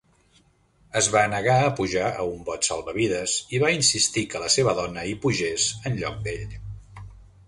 Es va negar a pujar a un bot salvavides i va insistir que la seva dona hi pugés en lloc d'ell.